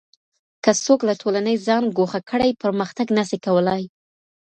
که څوک له ټولني ځان ګوښه کړي پرمختګ نه سي کولای.